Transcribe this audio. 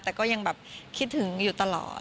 แต่ก็ยังแบบคิดถึงอยู่ตลอด